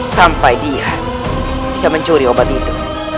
sampai dia bisa mencuri obat itu